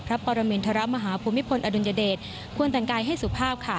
พระปรหมุนธรรมพอดุญเดชขวนแต่งกายให้สุภาพ